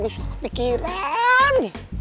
gue suka kepikiran